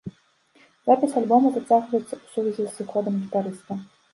Запіс альбома зацягваецца ў сувязі з сыходам гітарыста.